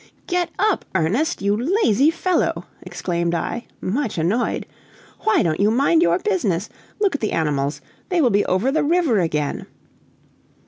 "Get up, Ernest, you lazy fellow!" exclaimed I, much annoyed; "why don't you mind your business? Look at the animals! They will be over the river again!"